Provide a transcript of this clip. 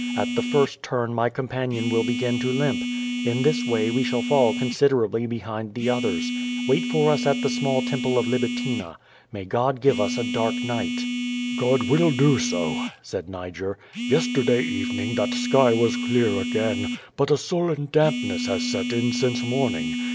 At the first turn my companion will begin to limp. In this way we shall fall con siderably behind the others. Wait for us at the small temple of Libitina. May God give us a dark night." ^30 <?^0 VADIB. "Grod will do so,'^ said Niger. "Yesterday evening that sky was clear again, but a sullen dampness has set in since morn ing.